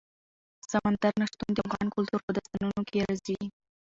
سمندر نه شتون د افغان کلتور په داستانونو کې راځي.